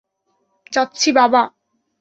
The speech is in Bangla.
যাচ্ছি, বাবা।